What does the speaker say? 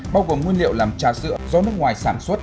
bao gồm nguyên liệu làm trà sữa do nước ngoài sản xuất